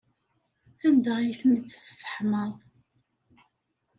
Anda ay ten-id-tesseḥmaḍ?